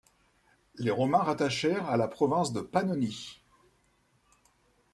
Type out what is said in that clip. Les Romains rattachèrent à la province de Pannonnie.